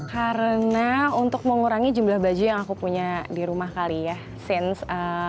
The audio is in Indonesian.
karena untuk mengurangi jumlah baju yang aku punya di rumah kali ya